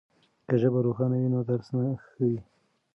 که ژبه روښانه وي نو درس ښه وي.